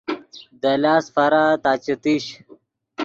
دے لاست فارا تا چے تیش